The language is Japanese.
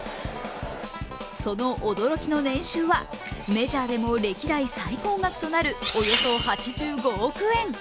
その驚きの年収はメジャーでも歴代最高額となるおよそ８５億円。